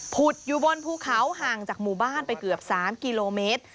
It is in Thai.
อยู่บนภูเขาห่างจากหมู่บ้านไปเกือบ๓กิโลเมตร